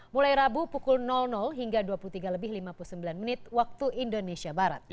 mulai rabu pukul hingga dua puluh tiga lebih lima puluh sembilan menit waktu indonesia barat